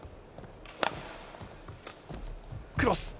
クロス。